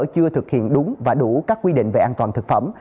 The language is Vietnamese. chưa thực hiện đúng và đủ các quy định về an toàn thực phẩm